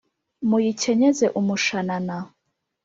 muyikenyeze umushanana